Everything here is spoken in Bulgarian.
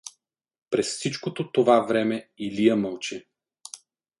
През всичкото тона време Илия мълчи.